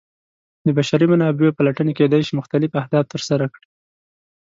د بشري منابعو پلټنې کیدای شي مختلف اهداف ترسره کړي.